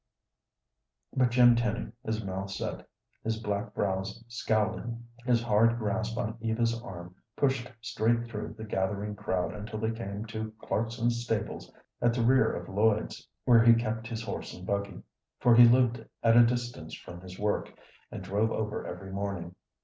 But Jim Tenny, his mouth set, his black brows scowling, his hard grasp on Eva's arm, pushed straight through the gathering crowd until they came to Clarkson's stables at the rear of Lloyd's, where he kept his horse and buggy for he lived at a distance from his work, and drove over every morning.